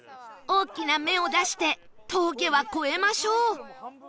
大きな目を出して峠は越えましょう